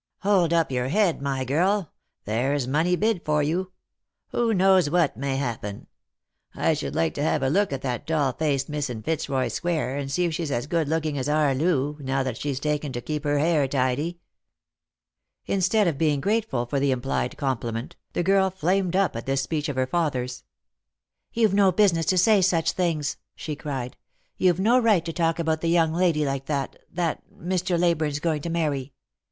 " Hold up your head, my girl ; there's money bid for you. Who knows what may happen ? I should like to have a look at that doll faced Miss in Pitzroy square, and see if she's as good looking as our Loo, now that she's taken to keep her hair tidy." jjost jor Xiove. 85 Instead of being grateful for the implied compliment, the girl flamed up at this speech of her father's. " You've no business to say such things," she cried ;" you've no right to talk about the young lady that — that — Mr. Ley burne's going to marry.